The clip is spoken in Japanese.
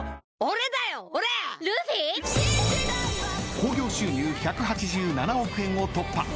［興行収入１８７億円を突破！］